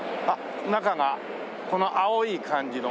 中がこの青い感じの。